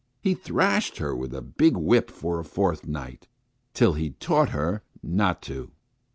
He thrashed her with a big whip for a fortnight, till he taught her not to.